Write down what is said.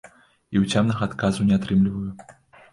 І ўцямнага адказу не атрымліваю.